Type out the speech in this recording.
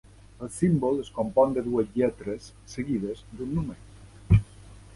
El símbol es compon de dues lletres seguides d'un número.